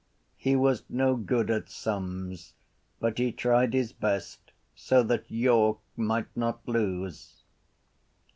He was no good at sums but he tried his best so that York might not lose.